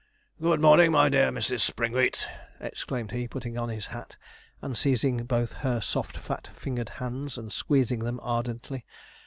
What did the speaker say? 'Good morning, my dear Mrs. Springwheat,' exclaimed he, putting on his hat and seizing both her soft fat fingered hands and squeezing them ardently.